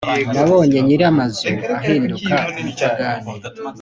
nabonye nyiri amazu ahinduka umupangayi